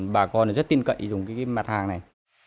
bà con rất tin cậy dùng cái mặt hàng này